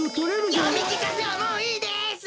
よみきかせはもういいです！